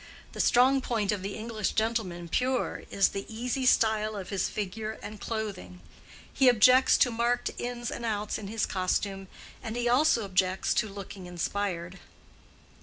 The strong point of the English gentleman pure is the easy style of his figure and clothing; he objects to marked ins and outs in his costume, and he also objects to looking inspired.